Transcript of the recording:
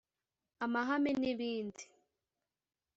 amahame n’ibindi